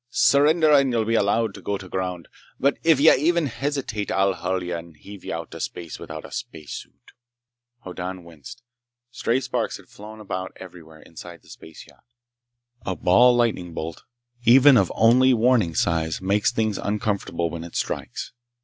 Surrender and y'll be allowed to go to ground. But if y'even hesitate I'll hull ye and heave ye out to space without a spacesuit!" Hoddan winced. Stray sparks had flown about everywhere inside the space yacht. A ball lightning bolt, even of only warning size, makes things uncomfortable when it strikes.